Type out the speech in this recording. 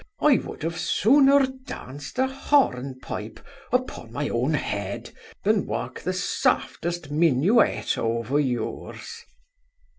I would have sooner danced a hornpipe upon my own head, than walk the softest minuet over yours.